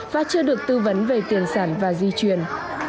và chưa được tư vấn về tiền sản và di chuyển